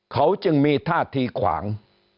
เขาจึงมีท่าทีขวาง